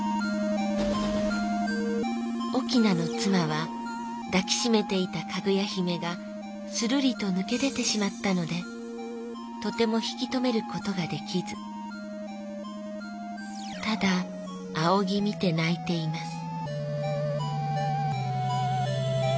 「翁のつまはだきしめていたかぐや姫がするりとぬけでてしまったのでとても引き止めることができずただあおぎみて泣いています」。